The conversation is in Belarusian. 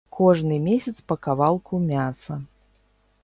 Кожны месяц па кавалку мяса.